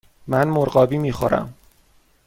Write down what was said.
من مرغابی می خورم.